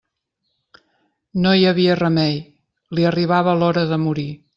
No hi havia remei: li arribava l'hora de morir.